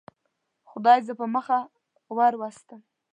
خدای زه په مخه وروستم.